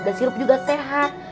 dan sirup juga sehat